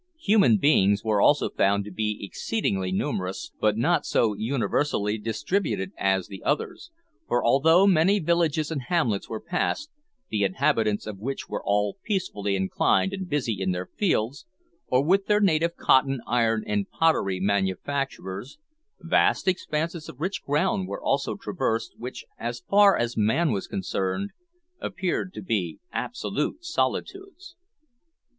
Human beings were also found to be exceedingly numerous, but not so universally distributed as the others, for, although many villages and hamlets were passed, the inhabitants of which were all peacefully inclined and busy in their fields, or with their native cotton, iron, and pottery manufactures, vast expanses of rich ground were also traversed, which, as far as man was concerned, appeared to be absolute solitudes.